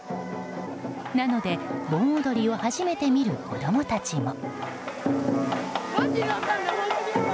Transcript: なので、盆踊りを初めて見る子供たちも。